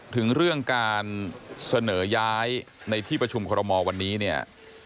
ถึงเรื่องการเสนอย้ายในที่ประชุมคอรมอลวันนี้เนี่ย